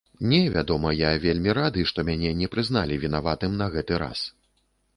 Не, вядома, я вельмі рады, што мяне не прызналі вінаватым на гэты раз!